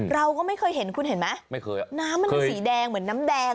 เราก็ไม่เคยเห็นคุณเห็นไหมไม่เคยอ่ะน้ำมันมีสีแดงเหมือนน้ำแดง